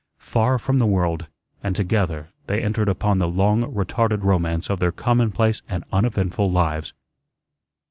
Far from the world and together they entered upon the long retarded romance of their commonplace and uneventful lives.